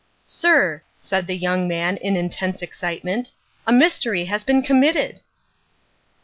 "Sir," said the young man in intense excitement, "a mystery has been committed!"